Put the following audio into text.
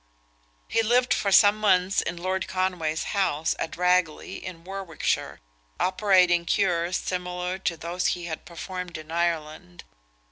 He lived for some months in Lord Conway's house, at Ragley, in Warwickshire, operating cures similar to those he had performed in Ireland.